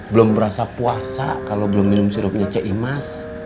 belum berasa puasa kalau belum minum sirupnya ce imas